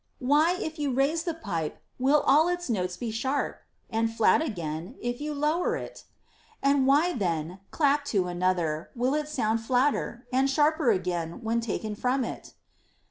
— why, if you raise the pipe, will all its notes be sharp ; and flat again, if you lower it? — and why, when clapped to another, will it sound flatter ; and sharper again, when taken from it